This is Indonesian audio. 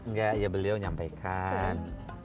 nggak ya beliau nyampaikan